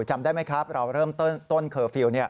จำได้ไหมครับเราเริ่มต้นเคอร์ฟิลล์